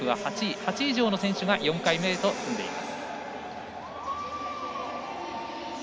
８位以上の選手が４回目へ進んでいます。